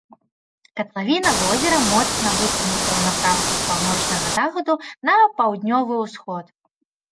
Катлавіна возера моцна выцягнутая ў напрамку з паўночнага захаду на паўднёвы ўсход.